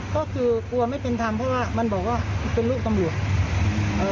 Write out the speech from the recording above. ก็คือกลัวไม่เป็นธรรมเพราะว่ามันบอกว่าเป็นลูกตำรวจเอ่อ